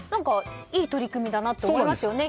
いい取り組みだなと思いますよね。